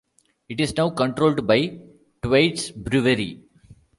It is now controlled by Thwaites Brewery.